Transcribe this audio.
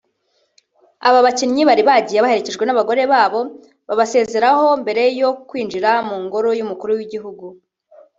Aba bakinnyi bari bagiye baherekejwe n’abagore babo babasezeraho mbere yo kwinjira mu ngoro y’Umukuru w’Igihugu